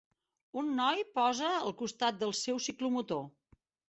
Un noi posa al costat del seu ciclomotor.